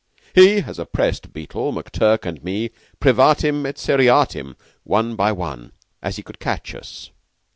"He has oppressed Beetle, McTurk, and me, privatim et seriatim, one by one, as he could catch us.